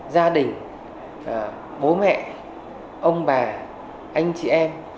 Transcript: gia đình bố mẹ ông bà anh chị em